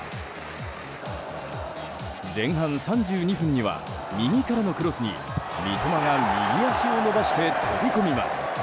前半３２分には右からのクロスに三笘が右足を伸ばして飛び込みます。